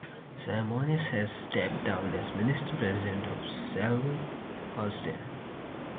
Simonis has since stepped down as Minister President of Schleswig-Holstein.